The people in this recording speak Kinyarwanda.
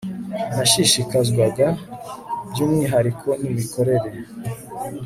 Nashishikazwaga by umwihariko n imikorere